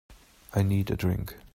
I need a drink.